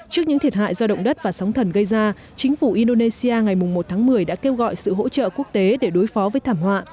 trước những thiệt hại do động đất và sóng thần gây ra chính phủ indonesia ngày một tháng một mươi đã kêu gọi sự hỗ trợ quốc tế để đối phó với thảm họa